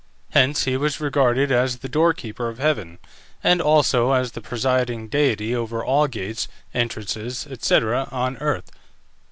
Hence he was regarded as the door keeper of heaven, and also as the presiding deity over all gates, entrances, &c., on earth.